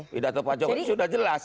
pidato pak jokowi sudah jelas